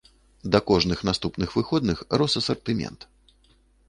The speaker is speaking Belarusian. Да кожных наступных выходных рос асартымент.